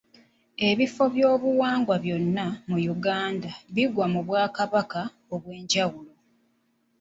Ebifo byobuwangwa byonna mu Uganda bigwa mu bwakaba obw'enjawulo.